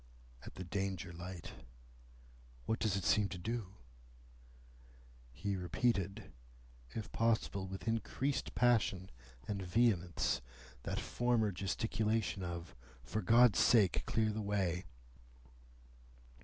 "At the Danger light." "What does it seem to do?" He repeated, if possible with increased passion and vehemence, that former gesticulation of, "For God's sake, clear the way!"